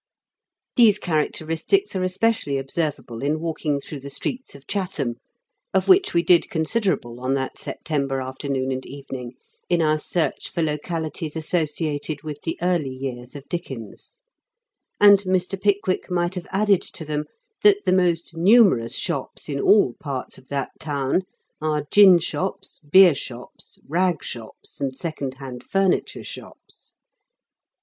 These charac teristics are especially observable in walking through the streets of Chatham, of which we did considerable on that September afternoon and evening, in our search for localities associated with the early years of Dickens ; and Mr. Pickwick might have added to them, that the most numerous shops in all parts of that town are gin shops, beer shops, rag shops, and second hand furniture shops.